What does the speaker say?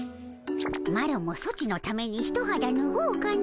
マロもソチのためにひとはだぬごうかの。